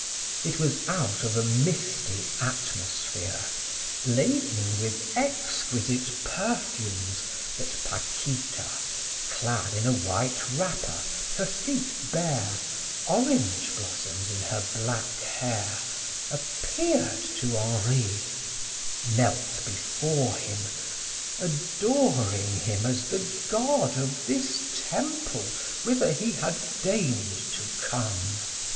It was out of a misty atmosphere, laden with exquisite perfumes, that Paquita, clad in a white wrapper, her feet bare, orange blossoms in her black hair, appeared to Henri, knelt before him, adoring him as the god of this temple, whither he had deigned to come.